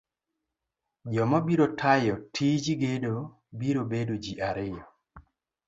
joma biro tayo tij gedo biro bedo ji ariyo.